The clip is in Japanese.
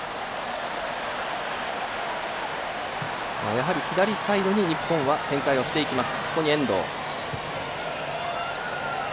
やはり、左サイドに日本は展開していきます。